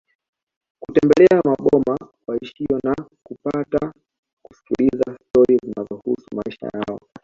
Kutembelea maboma waishio na kupata kusikiliza stori zinazohusu maisha yao